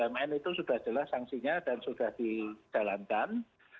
bumn itu sudah jelas sanksinya dan sudah dijalankan